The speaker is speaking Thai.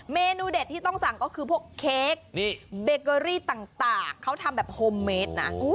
เมนูเด็ดที่ต้องสั่งก็คือพวกเค้กเบเกอรี่ต่างเขาทำแบบโฮมเมดนะ